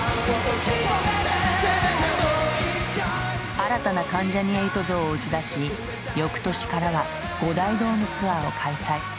新たな関ジャニ∞像を打ち出し翌年からは５大ドームツアーを開催。